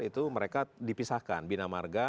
itu mereka dipisahkan bina marga